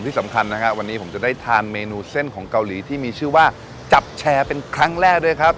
ที่สำคัญนะฮะวันนี้ผมจะได้ทานเมนูเส้นของเกาหลีที่มีชื่อว่าจับแชร์เป็นครั้งแรกด้วยครับ